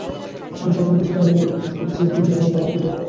আমি সেখানে কিছুটা হলেও পৌঁছতে পেরেছি, যদিও যেতে হবে আরও দূরের পথ।